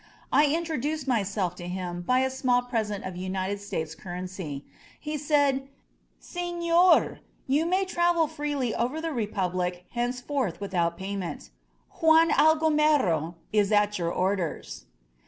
I introduced myself to him by a small present of United States currency. He said, "Senor, you may travel freely over the Republic henceforth without payment. Juan Algomero is at your orders."